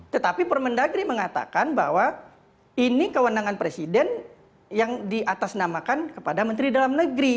tetapi permendagri mengatakan bahwa ini kewenangan presiden yang diatasnamakan kepada menteri dalam negeri